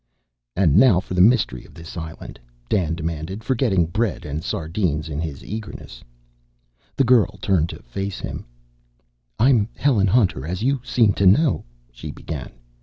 "And now for the mystery of the island," Dan demanded, forgetting bread and sardines in his eagerness. The girl turned her face to him. "I'm Helen Hunter, as you seem to know," she began.